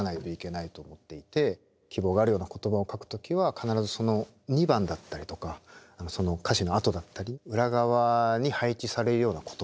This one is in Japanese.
希望があるような言葉を書く時は必ずその２番だったりとかその歌詞のあとだったり裏側に配置されるような言葉っていうんですかね。